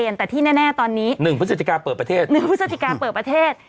อย่างชัดเจนแต่ที่แน่ตอนนี้๑พฤติกาเปิดประเทศ